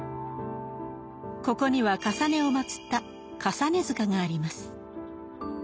ここにはかさねを祀った「累塚」があります。